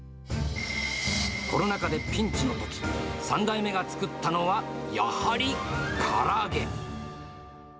コロナ禍でピンチのとき、３代目が作ったのはやはり、から揚げ。